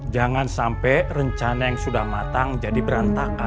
jangan sampai rencana yang sudah matang jadi berantakan